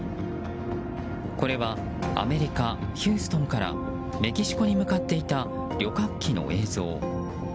これはアメリカ・ヒューストンからメキシコに向かっていた旅客機の映像。